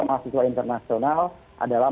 mahasiswa internasional adalah